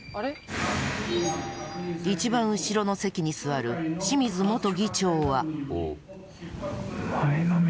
一番後ろの席に座る清水元議長は。